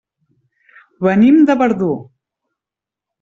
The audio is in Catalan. Venim de Verdú.